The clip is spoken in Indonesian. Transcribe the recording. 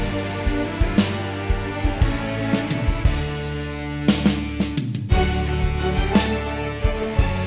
terima kasih pak